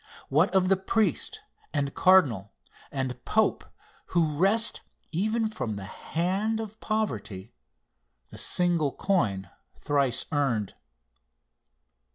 What of the priest and cardinal and pope who wrest, even from the hand of poverty, the single coin thrice earned?